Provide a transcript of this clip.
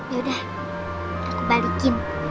ya udah aku balikin